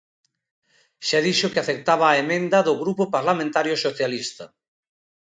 Xa dixo que aceptaba a emenda do Grupo Parlamentario Socialista.